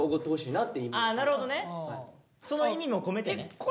その意味も込めてね。